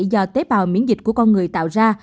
do tế bào miễn dịch của con người tạo ra